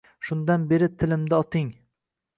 Shundan beri tilimda oting